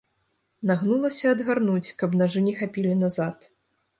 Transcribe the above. Нагнулася адгарнуць, каб нажы не хапілі назад.